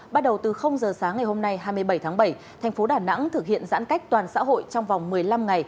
bắt đầu từ giờ sáng ngày hôm nay hai mươi bảy tháng bảy thành phố đà nẵng thực hiện giãn cách toàn xã hội trong vòng một mươi năm ngày